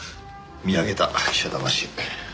見上げた記者魂。